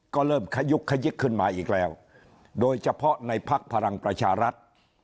ก็เริ่มขยุกขยิกขึ้นมาอีกแล้วโดยเฉพาะในภักดิ์พลังประชารัฐ